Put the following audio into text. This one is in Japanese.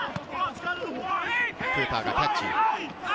クーパーがキャッチ。